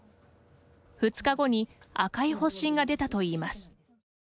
２日後に赤い発疹が出たといいます。